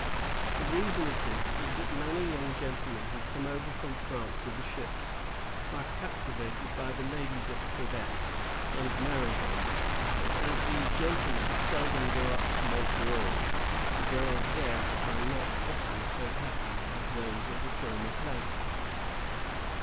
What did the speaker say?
The reason of this is that many young gentlemen who come over from France with the ships are captivated by the ladies at Quebec and marry them; but as these gentlemen seldom go up to Montreal, the girls there are not often so happy as those of the former place."